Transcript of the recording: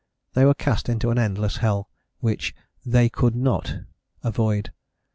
They were cast into an endless hell, which "they could not" avoid.